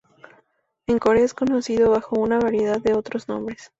En Corea es conocido bajo una variedad de otros nombres.